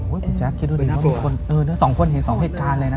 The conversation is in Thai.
คุณแจ๊คคิดดูนะสองคนเห็นสองเหตุการณ์เลยนะ